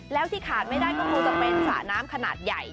แล้วที่ขาดไม่ได้ก็คงจะเป็นสระน้ำขนาดใหญ่